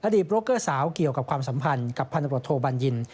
โบรกเกอร์สาวเกี่ยวกับความสัมพันธ์กับพันธบทโทบัญญิน